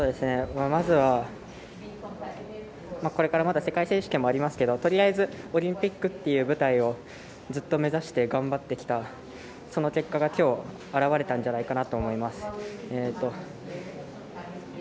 まずは、これからまだ世界選手権もありますけどとりあえずオリンピックっていう舞台をずっと目指して頑張ってきたその結果がきょう表れたんじゃないかなと思います。